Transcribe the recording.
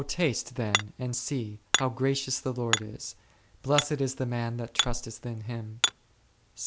taste, then, and see how gracious the Lord is : blessed is the man that trusteth in Him d .